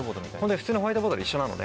ホワイトボードと一緒なので。